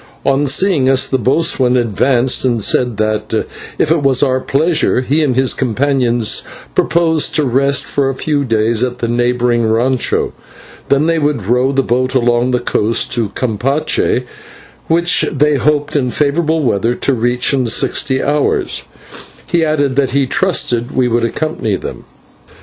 On seeing us the boatswain advanced, and said that, if it was our pleasure, he and his companions proposed to rest for a few days at the neighbouring /rancho/ and then to row the boat along the coast to Campeche, which they hoped in favourable weather to reach in sixty hours, adding that he trusted we would accompany them.